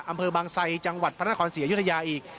อำเภอบางไซจังหวัดพระนครศรีอยุธยาอีก